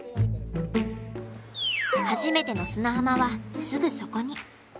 初めての砂浜はすぐそこに。